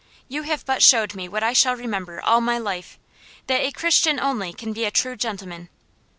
"You have but showed me what I shall remember all my life that a Christian only can be a true gentleman."